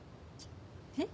えっ？